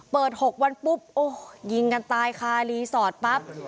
เปิดหกวันปุ๊บโอ้ยยิงกันตายค่ะเรซอร์ทปั๊บ